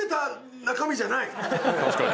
確かに。